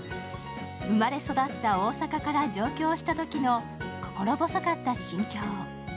生まれ育った大阪から上京したときの心細かった心境。